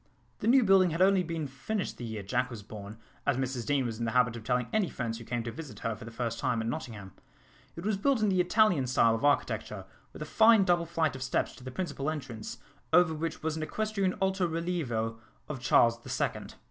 The new building had only been finished the year Jack was born, as Mrs Deane was in the habit of telling any friends who came to visit her for the first time at Nottingham. It was built in the Italian style of architecture, with a fine double flight of steps to the principal entrance, over which was an equestrian alto relievo of Charles the Second.